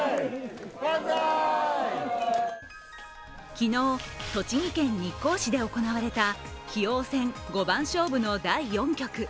昨日、栃木県日光市で行われた棋王戦五番勝負の第４局。